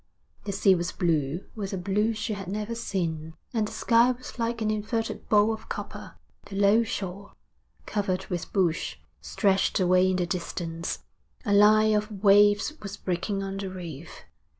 The sea was blue with a blue she had never seen, and the sky was like an inverted bowl of copper. The low shore, covered with bush, stretched away in the distance; a line of waves was breaking on the reef.